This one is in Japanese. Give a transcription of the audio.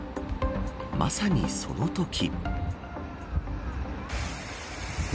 まさにそのとき。